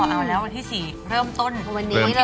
อ๋อเอาแล้ววันที่๔เริ่มต้น